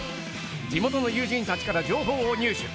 地元の友人たちから情報を入手。